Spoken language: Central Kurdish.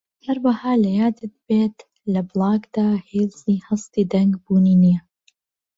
هەروەها لەیادت بێت لە بڵاگدا هێزی هەستی دەنگ بوونی نییە